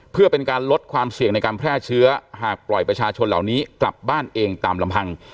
เพื่อเป็นการลดความเสี่ยงในการแพร่เชื้อหากปล่อยประชาชนเหล่านี้กลับบ้านเองตามลำพัง